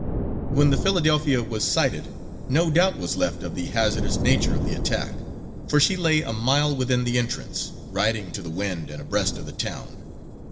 When the Philadelphia was sighted, no doubt was left of the hazardous nature of the attack, for she lay a mile within the entrance, riding to the wind and abreast of the town.